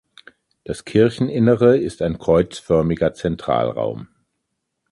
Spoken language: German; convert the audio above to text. Das Kircheninnere ist ein kreuzförmiger Zentralraum.